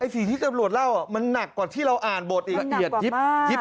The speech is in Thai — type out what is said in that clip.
ไอ้สิที่ตำรวจเล่ามันหนักกว่าที่เราอ่านบทอีก